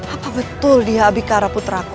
apa betul dia adhikara puteraku